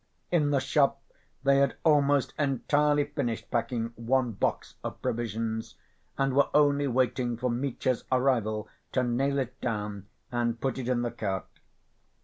In the shop they had almost entirely finished packing one box of provisions, and were only waiting for Mitya's arrival to nail it down and put it in the cart.